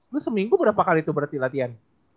lu seminggu berapa kali tuh berarti latihan